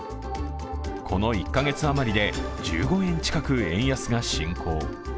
この１カ月あまりで１５円近く円安が進行。